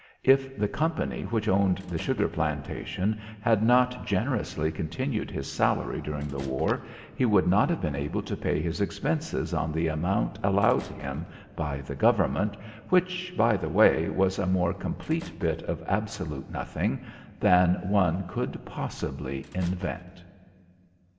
If the company which owned the sugar plantation had not generously continued his salary during the war, he would not have been able to pay his expenses on the amount allowed him by the government, which, by the way, was a more complete bit of absolute nothing than one could possibly invent.